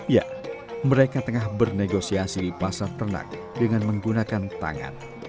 ya mereka tengah bernegosiasi di pasar ternak dengan menggunakan tangan